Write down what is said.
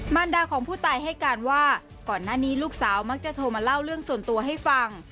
รดาของผู้ตายให้การว่าก่อนหน้านี้ลูกสาวมักจะโทรมาเล่าเรื่องส่วนตัวให้ฟัง